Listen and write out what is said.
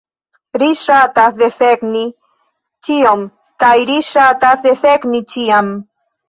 Ri ŝatas desegni ĉion, kaj ri ŝatas desegni ĉiam.